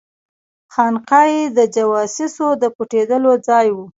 خانقاه یې د جواسیسو د پټېدلو ځای وو.